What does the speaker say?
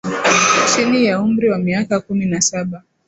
chini ya umri wa miaka kumi na saba